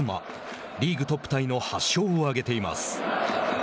リーグトップタイの８勝を挙げています。